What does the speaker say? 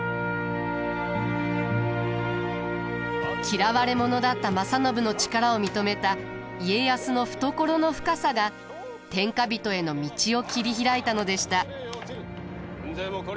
嫌われ者だった正信の力を認めた家康の懐の深さが天下人への道を切り開いたのでした。